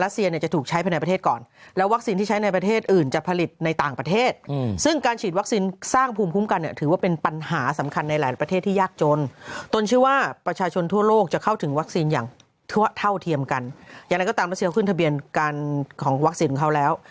เซียจะถูกใช้ไปในประเทศก่อนแล้ววัคซีนที่ใช้ในประเทศอื่นจะผลิตในต่างประเทศซึ่งการฉีดวัคซีนสร้างภูมิคุ้มกันถือว่าเป็นปัญหาสำคัญในหลายประเทศที่ยากจนต้นชื่อว่าประชาชนทั่วโลกจะเข้าถึงวัคซีนอย่างทั่วเท่าเทียมกันอย่างนั้นก็ตามเซียขึ้นทะเบียนการของวัคซีนเขาแล้ว